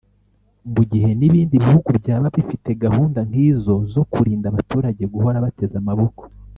mu gihe n’ibindi bihugu byaba bifite gahunda nk’izo zo kurinda abaturage guhora bateze amaboko